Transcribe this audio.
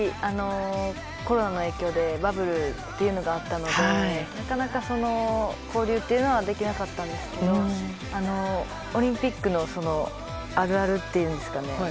コロナの影響でバブルっていうのがあったのでなかなか交流はできなかったんですけどオリンピックのあるあるというんですかね